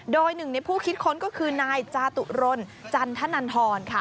โดยหนึ่งในผู้คิดค้นก็คือนายจาตุรนจันทนันทรค่ะ